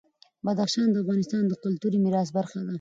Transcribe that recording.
بدخشان د افغانستان د کلتوري میراث برخه ده.